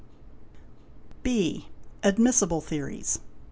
B. Admissible Theories.